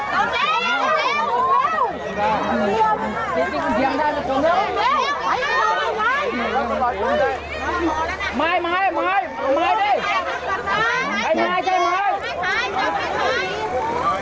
เก่งได้มันตรงนี้